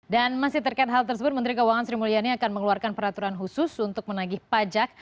dan masih terkait hal tersebut menteri keuangan sri mulyani akan mengeluarkan peraturan khusus untuk menagih pajak